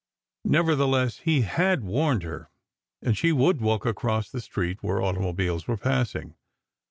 Nevertheless, he had warned her—and she would walk across the street where automobiles were passing.